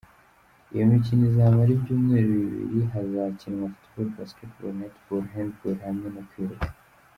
Iyo mikino izamara ibyumweru bibiri, hakazakinwa Football, Basketball, Netball, handball hamwe no kwiruka.